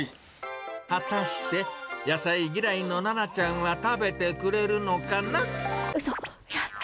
果たして、野菜嫌いのななちゃんは食べてくれるのかな。